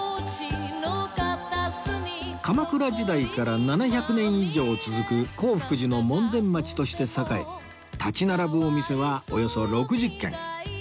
鎌倉時代から７００年以上続く洪福寺の門前町として栄え立ち並ぶお店はおよそ６０軒